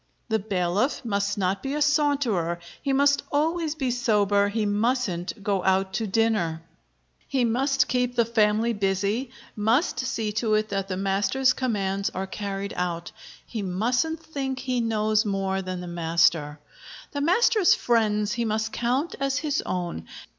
The bailiff must not be a saunterer; he must always be sober; he mustn't go out to dinner. He must keep the family busy; must see to it that the master's commands are carried out. He mustn't think he knows more than the master. The master's friends he must count as his own.